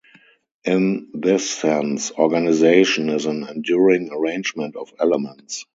In this sense, organization is an enduring arrangement of elements.